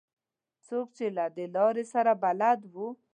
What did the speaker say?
څوک چې له دې لارې سره بلد وو.